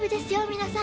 皆さん。